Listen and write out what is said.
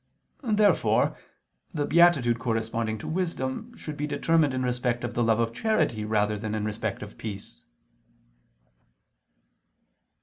Therefore the beatitude corresponding to wisdom should be determined in respect of the love of charity rather than in respect of peace.